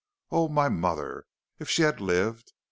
O my mother! if she had lived!